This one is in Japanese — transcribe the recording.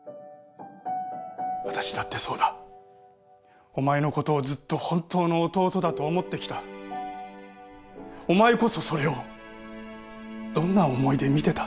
私だってそうだお前のことをずっと本当の弟だと思ってきたお前こそそれをどんな思いで見てた？